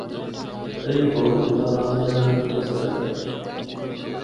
ایہی روڑ ناران اینڑا دا رستہ اے۔